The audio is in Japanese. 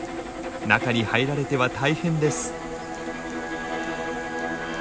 中に入られては大変です。